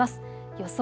予想